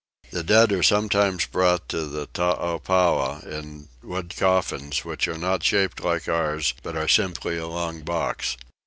The dead are sometimes brought to the Toopapow in wood coffins, which are not shaped like ours but are simply a long box.